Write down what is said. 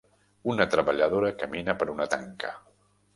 Una treballadora camina per una tanca.